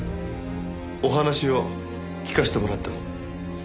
お話を聞かせてもらっても？